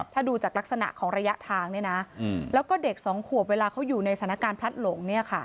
ถ้าดูจากลักษณะของระยะทางแล้วก็เด็ก๒ขวบเวลาเขาอยู่ในสถานการณ์พลัดหลง